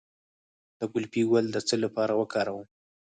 د ګلپي ګل د څه لپاره وکاروم؟